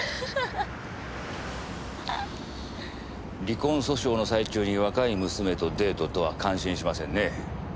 離婚訴訟の最中に若い娘とデートとは感心しませんね。